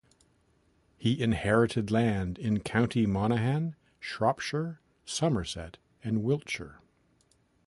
He inherited land in County Monaghan, Shropshire, Somerset and Wiltshire.